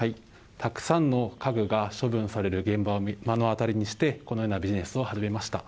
たくさんの家具が処分される現場を目の当たりにして、このようなビジネスを始めました。